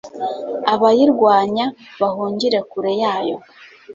abayirwanya bahungire kure yayo